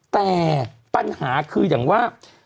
แต่ปัญหาคืออย่างว่า